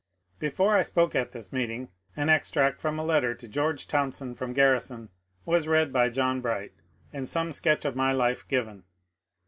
Before I spoke at this meeting an extract from a letter to Greorge Thompson from Grarrison was read by John Bright and some sketch of my life given.